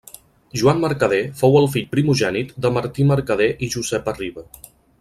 Joan Mercader fou el fill primogènit de Martí Mercader i Josepa Riba.